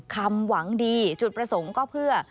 หวังดีจุดประสงค์ก็เพื่อ